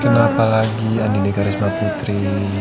kenapa lagi andi negarisma putri